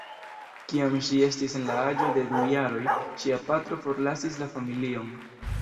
Kiam ŝi estis en la aĝo de du jaroj ŝia patro forlasis la familion.